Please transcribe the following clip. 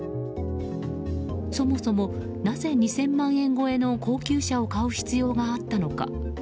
そもそもなぜ２０００万円超えの高級車を買う必要があったのか。